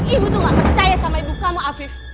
ibu tuh gak percaya sama ibu kamu afif